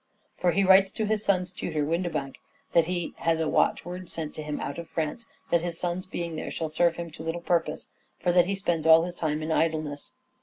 For he writes to his son's tutor, Windebank, that he " has a watchword sent him out of France that his son's being there shall serve him to little purpose, for that he spends his time in idleness."